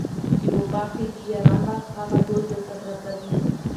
چي په باغ کي دي یاران وه هغه ټول دلته پراته دي